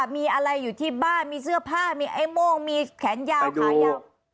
มีอะไรอยู่ที่บ้านมีเสื้อผ้ามีไอ้โม่งมีแขนยาวขายาว